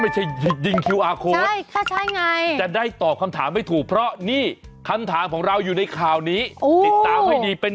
ไม่ใช่ยิงคุณไลก์ก็ใช้น่ะนะแต่ได้ตอบคำถามไม่ถูกเพราะนี่คำถามของเรายูนนะค่าวนี้